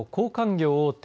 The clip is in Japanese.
業大手